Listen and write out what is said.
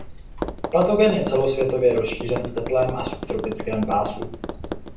Patogen je celosvětově rozšířen v teplém a subtropickém pásu.